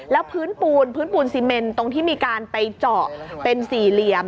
แล้วพื้นปูนพื้นปูนซีเมนตรงที่มีการไปเจาะเป็นสี่เหลี่ยม